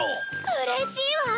うれしいわ。